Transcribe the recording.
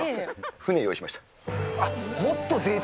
船、用意しました。